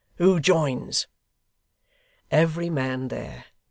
Who joins?' Every man there.